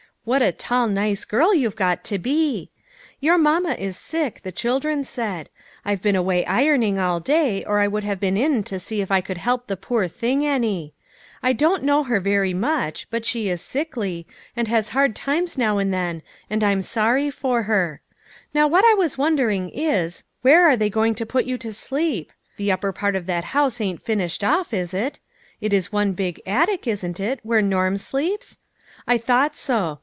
What a tall nice girl you've got to be. Your ma is sick, the children said. I've been away ironing all day, or I would have been in to see if I could help the poor thing any. I don't know her very much, but she is sickly, and has hard times now and then, and I'm sorry for her. Now what I was wondering is, where are they going to put you to sleep ? The upper part of that house ain't finished off, is it? It is one big attic, ain't it, where Norm sleeps? I thought so.